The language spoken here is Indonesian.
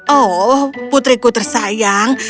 oh putriku tersayang